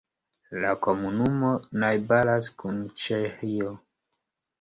La komunumo najbaras kun Ĉeĥio.